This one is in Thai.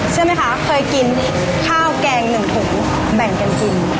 เชื่อมั้ยคะเคยกินข้าวแกงหนึ่งถุงแบ่งกันกิน